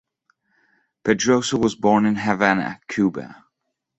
Pedroso was born in Havana, Cuba.